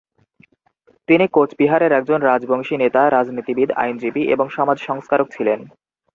তিনি কোচবিহারের একজন রাজবংশী নেতা, রাজনীতিবিদ, আইনজীবী, এবং সমাজ সংস্কারক ছিলেন।